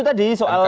itu tadi soal